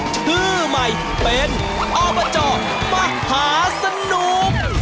ชื่อใหม่เป็นอบจมหาสนุก